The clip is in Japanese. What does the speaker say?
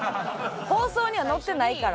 放送にはのってないから。